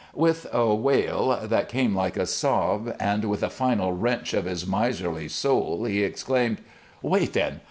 With a wail that came like a sob and with a final wrench of his miserly soul, he exclaimed: "Wait, then!